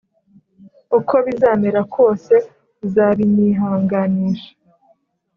Uko bizamera kose uzabinyihanganisha